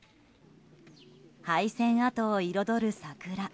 廃線跡を彩る桜。